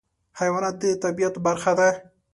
حیوانات د طبیعت برخه ده.